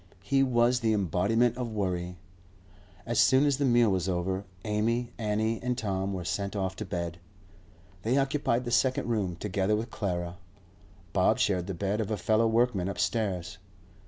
He was the embodiment of worry. As soon as the meal was over, Amy, Annie, and Tom were sent off to bed. They occupied the second room, together with Clara; Bob shared the bed of a fellow workman upstairs.